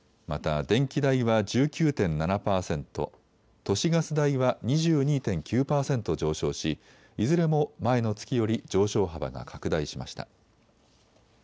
また電気代は１９．７％、都市ガス代は２２．９％上昇しいずれも前の月より上昇幅が拡大しました。